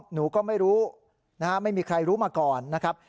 หนูก็ไม่รู้นะฮะไม่มีใครรู้มาก่อนนะครับ